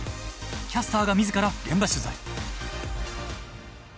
キャスターが自ら現場取材。